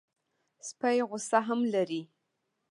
سپي غصه هم لري.